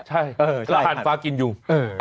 ถ้านฟ้ากินยุ้ง